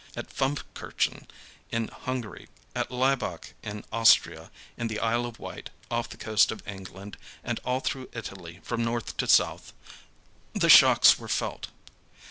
At Funfkirchen, in Hungary, at Laibach, in Austria, in the Isle of Wight, off the coast of England, and all through Italy, from north to south, the shocks were felt.